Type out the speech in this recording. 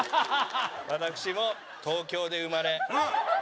私も東京で生まれうん